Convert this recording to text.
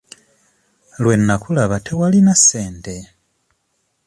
Lwe nnakulaba tewalina ssente.